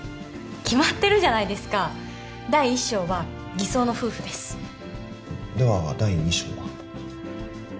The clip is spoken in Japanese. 決まってるじゃないですか第一章は偽装の夫婦ですでは第二章は？